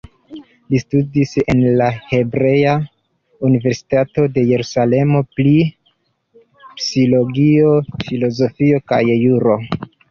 Li studis en la Hebrea Universitato de Jerusalemo pri psikologio, filozofio kaj juro.